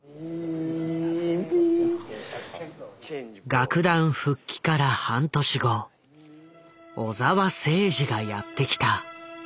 楽団復帰から半年後小澤征爾がやって来た。